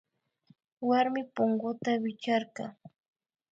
Warmi punguta wichkarka